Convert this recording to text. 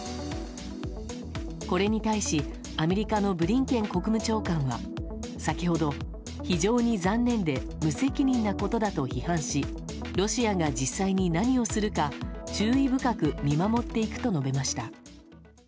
これに対し、アメリカのブリンケン国務長官は先ほど、非常に残念で無責任なことだと批判しロシアが実際に何をするか注意深く見守っていくと述べました。